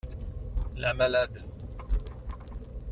La malade.